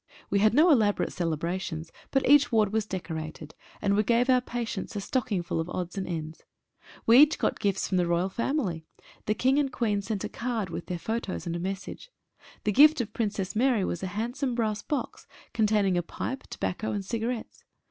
We had no elaborate celebrations, but each ward was deco rated, and we gave our patients a stocking full of odds and ends. We each got gifts from the Royal family. The King and Queen sent a card with their photos and a message. The gift of the Princess Mary was a hand some brass box containing a pipe, tobacco, and cigarettes.